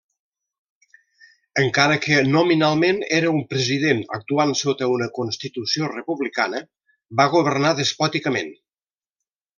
Encara que nominalment era un president actuant sota una constitució republicana, va governar despòticament.